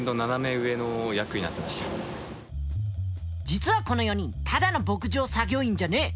実はこの４人ただの牧場作業員じゃねえ。